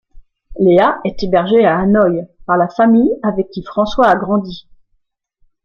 Léa est hébergée à Hanoi par la famille avec qui François a grandi.